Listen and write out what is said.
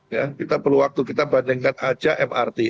ya kita perlu waktu kita bandingkan aja mrt